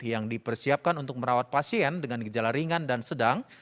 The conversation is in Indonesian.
yang dipersiapkan untuk merawat pasien dengan gejala ringan dan sedang